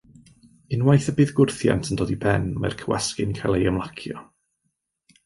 Unwaith y bydd gwrthiant yn dod i ben mae'r cywasgu'n cael ei ymlacio.